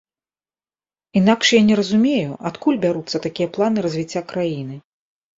Інакш я не разумею, адкуль бяруцца такія планы развіцця краіны.